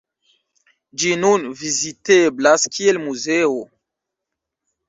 Ĝi nun viziteblas kiel muzeo.